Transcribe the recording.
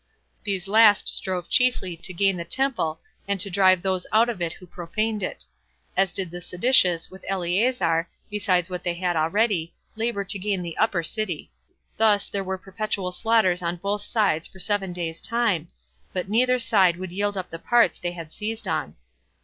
These last strove chiefly to gain the temple, and to drive those out of it who profaned it; as did the seditious, with Eleazar, besides what they had already, labor to gain the upper city. Thus were there perpetual slaughters on both sides for seven days' time; but neither side would yield up the parts they had seized on.